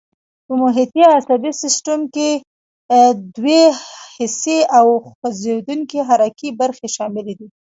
په محیطي عصبي سیستم کې دوې حسي او خوځېدونکي حرکي برخې شاملې دي.